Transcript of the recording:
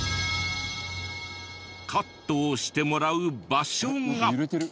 カットをしてもらう場所が。